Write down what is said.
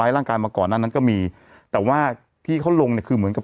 ร่างกายมาก่อนหน้านั้นก็มีแต่ว่าที่เขาลงเนี่ยคือเหมือนกับ